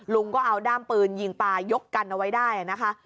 ลุงก็เอาด้ามปืนยิงปลายกกันเอาไว้ได้นะคะ